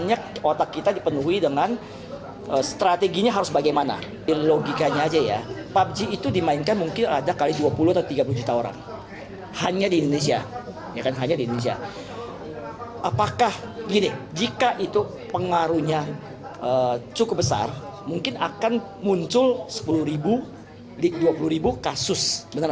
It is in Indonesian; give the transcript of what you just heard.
apakah gini jika itu pengaruhnya cukup besar mungkin akan muncul sepuluh ribu di dua puluh ribu kasus